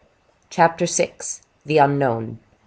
Chapter VI. The Unknown.